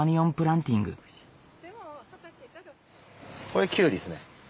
これキュウリですね。